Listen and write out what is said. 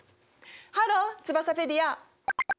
ハローツバサペディア。